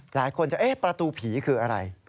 หลายคนจะเอ๊ะประตูผีคืออะไร